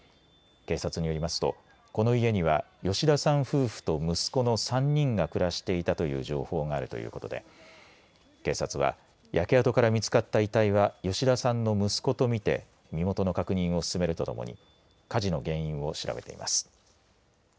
警察によりますとこの家には吉田さん夫婦と息子の３人が暮らしていたという情報があるということで警察は焼け跡から見つかった遺体は吉田さんの息子とみて身元の確認を進めるとともに火事の原因を調べています。